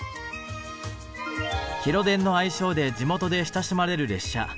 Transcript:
「広電」の愛称で地元で親しまれる列車。